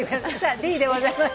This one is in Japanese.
Ｄでございます。